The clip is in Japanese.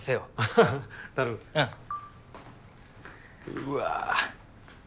うわ。